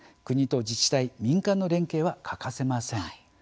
国と自治体、民間の連携は欠かせません。